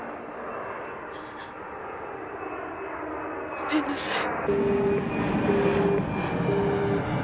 ☎☎☎ごめんなさい。